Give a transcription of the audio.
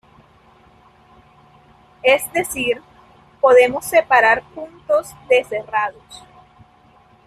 Es decir, podemos separar puntos de cerrados.